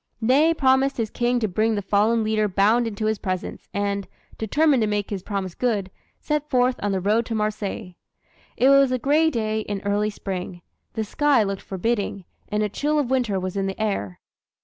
Ney promised his King to bring the fallen leader bound into his presence, and, determined to make his promise good, set forth on the road to Marseilles. It was a gray day in early Spring. The sky looked forbidding, and a chill of winter was in the air.